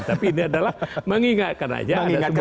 tapi ini adalah mengingatkan saja ada sebuah sistem